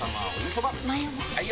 ・はい！